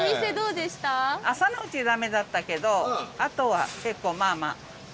朝のうち駄目だったけどあとは結構まあまあ。